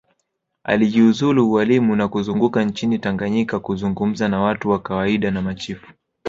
Alijiuzulu ualimu na kuzunguka nchini Tanganyika kuzungumza na watu wa kawaida na machifu